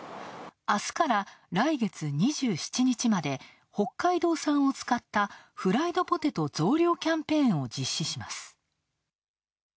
あすから来月２７日まで北海道産を使ったフライドポテト増量キャンペーンを実施します。